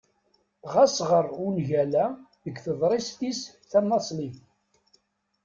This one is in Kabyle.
Ɣas ɣeṛ ungal-a deg teḍrist-is tanaṣlit.